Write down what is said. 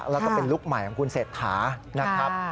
แล้วก็เป็นลุคใหม่ของคุณเศรษฐานะครับ